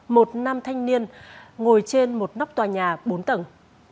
một nam thanh niên ngồi trên một nóc tòa nhà bốn tầng